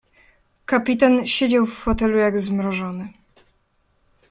"Kapitan siedział w fotelu, jak zmrożony."